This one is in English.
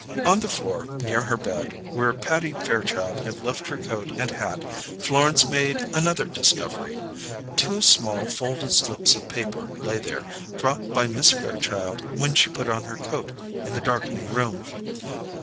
On the floor, near her bed, where Patty Fairchild had left her coat and hat, Florence made another discovery. Two small, folded slips of paper lay there, dropped by Miss Fairchild when she put on her coat in the darkening room.